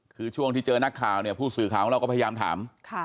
คือช่วงที่เจอนักข่าวเนี่ยผู้สื่อข่าวของเราก็พยายามถาม